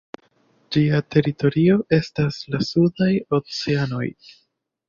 Ĝia teritorio estas la sudaj oceanoj.